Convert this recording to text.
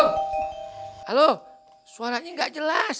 halo suaranya gak jelas